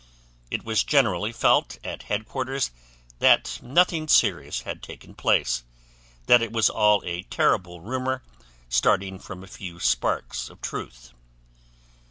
It was generally felt at Headquarters that nothing serious had taken place, that it was all a terrible rumor starting from a few sparks of truth.